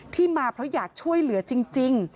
ที่มาเพราะอยากช่วยเหลือจริง